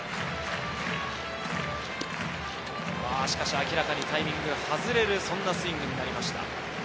明らかにタイミングが外れるそんなスイングになりました。